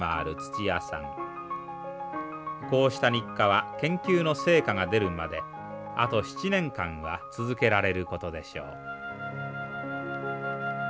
こうした日課は研究の成果が出るまであと７年間は続けられることでしょう。